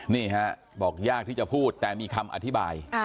นี่ฮะบอกยากที่จะพูดแต่มีคำอธิบาย